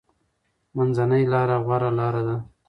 منځنۍ لاره غوره لاره ده.